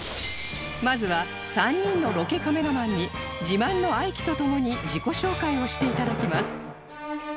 まずは３人のロケカメラマンに自慢の愛機と共に自己紹介をして頂きます